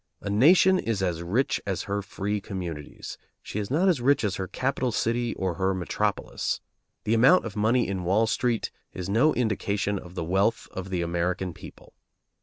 A nation is as rich as her free communities; she is not as rich as her capital city or her metropolis. The amount of money in Wall Street is no indication of the wealth of the American people.